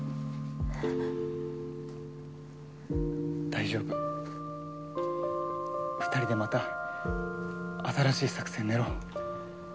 大丈夫２人でまた新しい作戦練ろう。